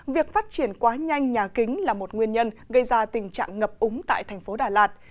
việc phát triển quá nhanh nhà kính là một nguyên nhân gây ra tình trạng ngập úng tại thành phố đà lạt